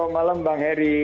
malam bang heri